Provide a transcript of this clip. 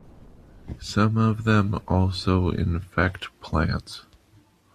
Some of them also infect plants.